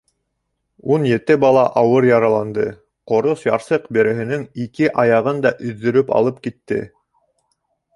Ун ете бала ауыр яраланды, ҡорос ярсыҡ береһенең ике аяғын да өҙҙөрөп алып китте.